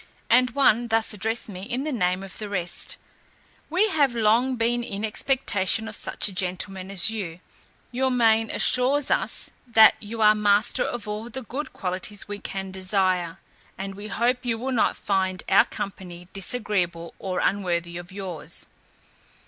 And one thus addressed me in the name of the rest, "We have long been in expectation of such a gentleman as you; your mien assures us, that you are master of all the good qualities we can desire; and we hope you will not find our company disagreeable or unworthy of yours."